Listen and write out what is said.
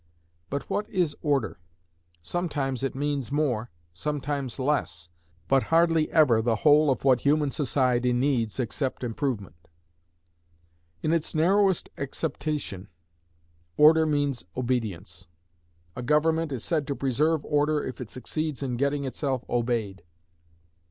But what is Order? Sometimes it means more, sometimes less, but hardly ever the whole of what human society needs except improvement. In its narrowest acceptation, Order means Obedience. A government is said to preserve order if it succeeds in getting itself obeyed.